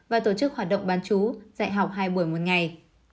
và tổ chức hoạt động bán chú dạy học hai buổi một ngày